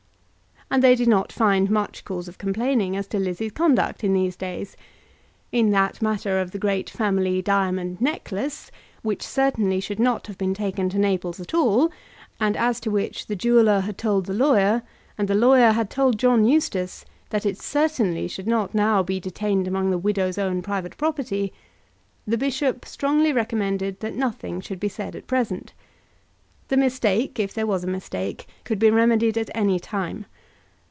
And they did not find much cause of complaining as to Lizzie's conduct in these days. In that matter of the great family diamond necklace, which certainly should not have been taken to Naples at all, and as to which the jeweller had told the lawyer and the lawyer had told John Eustace that it certainly should not now be detained among the widow's own private property, the bishop strongly recommended that nothing should be said at present. The mistake, if there was a mistake, could be remedied at any time.